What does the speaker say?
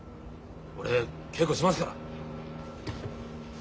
俺稽古しますから。